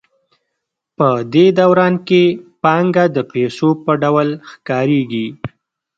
په دې دوران کې پانګه د پیسو په ډول ښکارېږي